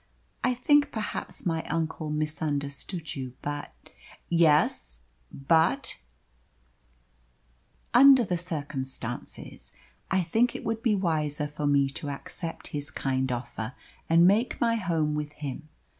I think, perhaps, my uncle misunderstood you. But " "Yes but " "Under the circumstances, I think it will be wiser for me to accept his kind offer, and make my home with him.